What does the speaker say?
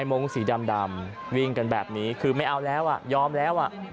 มงค์สีดำวิ่งกันแบบนี้คือไม่เอาแล้วอ่ะยอมแล้วอ่ะ